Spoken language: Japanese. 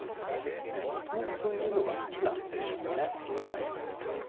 もともとそういうのが好きなんでしょうね。